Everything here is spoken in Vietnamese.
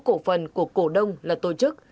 cổ phần của cổ đông là tổ chức